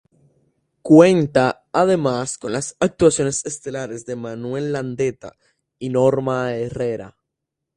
Cuenta además con las actuaciones estelares de Manuel Landeta y Norma Herrera.